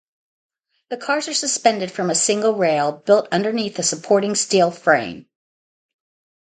The cars are suspended from a single rail built underneath a supporting steel frame.